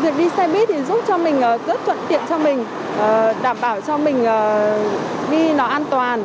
việc đi xe buýt thì giúp cho mình rất thuận tiện cho mình đảm bảo cho mình đi nó an toàn